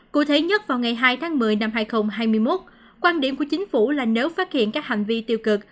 cụ thể nhất vào ngày hai tháng một mươi năm hai nghìn hai mươi một quan điểm của chính phủ là nếu phát hiện các hành vi tiêu cực